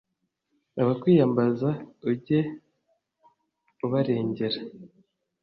abakwiyambaza; ujye ubarengera